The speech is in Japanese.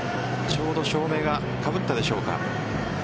ちょうど照明がかぶったでしょうか。